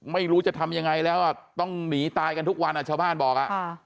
ไม่รู้จะทำยังไงแล้วอ่ะต้องหนีตายกันทุกวันชาวบ้านบอกอ่ะ